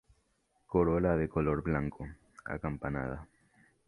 Corola de color blanco, acampanada.